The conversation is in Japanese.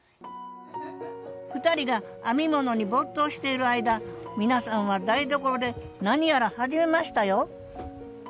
２人が編み物に没頭している間皆さんは台所で何やら始めましたよ